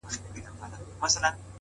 په تهمتونو کي بلا غمونو!!